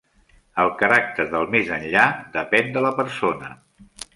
El caràcter del més enllà depèn de la persona.